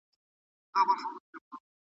زموږ پر درد یې ګاونډي دي خندولي .